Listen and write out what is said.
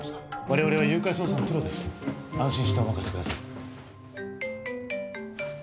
我々は誘拐捜査のプロです安心してお任せください